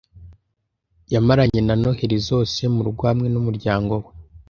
Yamaranye na Noheri zose murugo hamwe numuryango we.